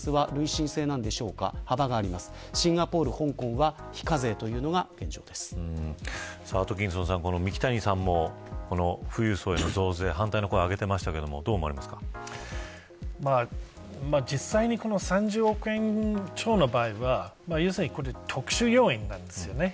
アメリカとイギリスはアトキンソンさん三木谷さんも富裕層への増税反対の声を上げていましたが実際に３０億円超の場合は要するに特殊要因なんですよね。